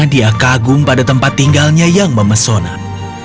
dia kagum pada tempat tinggalnya yang memesonan